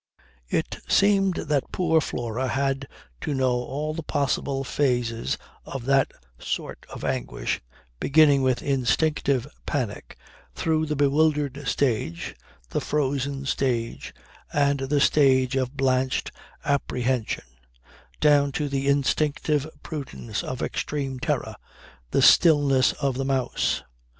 It seemed that poor Flora had to know all the possible phases of that sort of anguish, beginning with instinctive panic, through the bewildered stage, the frozen stage and the stage of blanched apprehension, down to the instinctive prudence of extreme terror the stillness of the mouse.